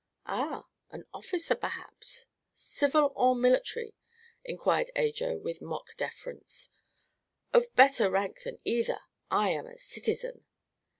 "Ah; an officer, perhaps. Civil, or military?" inquired Ajo with mock deference. "Of better rank than either. I am a citizen."